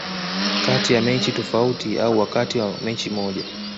kati ya mechi tofauti au wakati wa mechi moja